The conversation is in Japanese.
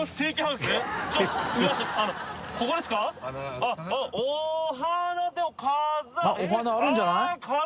あっお花あるんじゃない？